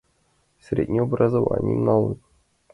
Средний образованийым налын.